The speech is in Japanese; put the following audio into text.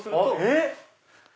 えっ！